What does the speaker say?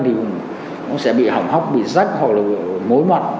thì nó sẽ bị hỏng hóc bịt rách hoặc là mối mặt